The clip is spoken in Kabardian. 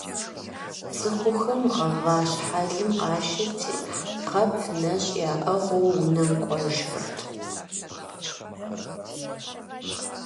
ЦӀыхухэм гъавэ щхьэлым къашэрти, къэп нэщӀ яӀыгъыу унэм кӀуэжхэрт.